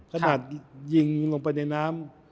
ถ้าหมาดยิงลงไปในน้ำ